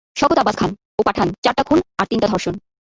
শওকত আব্বাস খাঁন, ও পাঠান, চারটা খুন আর তিনটা ধর্ষণ।